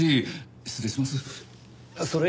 失礼します。